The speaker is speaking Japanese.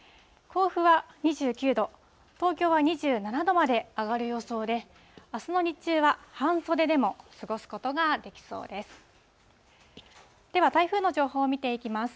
甲府は２９度、東京は２７度まで上がる予想で、あすの日中は、半袖でも過ごすことができそうです。